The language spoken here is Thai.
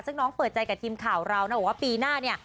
ซึ่งน้องเปิดใจกับทีมข่าวเรานะบอกว่าปีหน้าเนี่ย